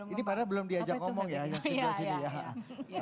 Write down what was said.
ini padahal belum diajak ngomong ya yang sebelah sini ya